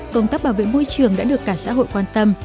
công tác bảo vệ môi trường đã được cả xã hội quan tâm